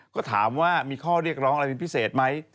ก็ถามว่ามีข้อเรียกร้องอะไรเป็นพิเศษไหม